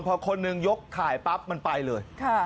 พอคนหนึ่งยกถ่ายปั๊บมันไปเลย